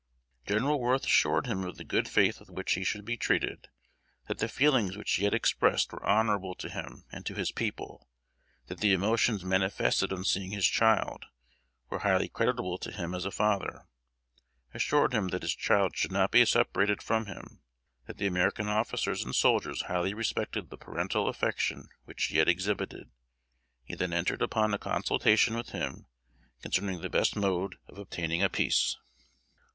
General Worth assured him of the good faith with which he should be treated; that the feelings which he had expressed were honorable to him and to his people; that the emotions manifested on seeing his child, were highly creditable to him as a father; assured him that his child should not be separated from him; that the American officers and soldiers highly respected the parental affection which he had exhibited. He then entered upon a consultation with him concerning the best mode of obtaining a peace.